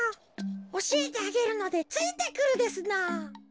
おしえてあげるのでついてくるですのぉ。